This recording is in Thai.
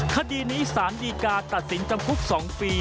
คดีนี้สารดีกาตัดสินจำคุก๒ปี